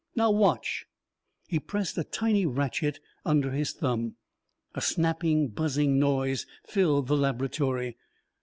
"Now watch." He pressed a tiny ratchet under his thumb. A snapping, buzzing noise filled the laboratory.